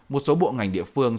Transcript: một số bộ ngành địa phương